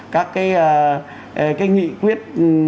các cái nghị quyết